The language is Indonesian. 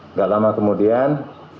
nggak lama kemudian